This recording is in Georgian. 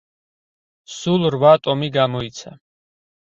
სულ რვა ტომი გამოიცა.